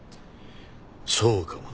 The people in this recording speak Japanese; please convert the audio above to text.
そうかもな。